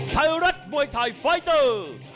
ไทยรัฐมวยไทยไฟเตอร์